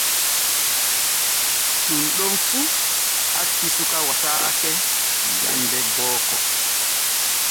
Ɗun ɗon fu acci suka wattataake jande booko.